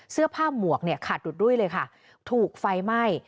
เสื้อผ้าหมวกเนี่ยขาดดุดดุ้ยเลยค่ะถูกไฟไหม้